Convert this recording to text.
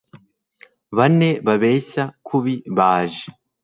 bane babeshya kubi baje